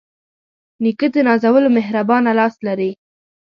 نیکه د نازولو مهربانه لاس لري.